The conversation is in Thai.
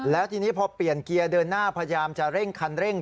แล้วทีนี้พอเปลี่ยนเกียร์เดินหน้าพยายามจะเร่งคันเร่ง